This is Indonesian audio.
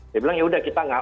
saya bilang ya udah kita